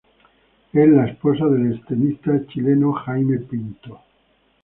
Es la esposa del extenista chileno Jaime Pinto.